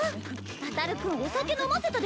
あたる君お酒飲ませたでしょ。